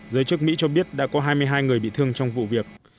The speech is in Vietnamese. giới chức mỹ cho biết đã có hai mươi hai người bị thương trong vụ việc